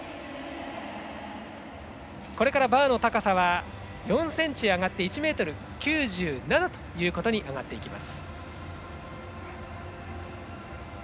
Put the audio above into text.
これからバーの高さは４ｃｍ上がって１ｍ９７と上がっていきます。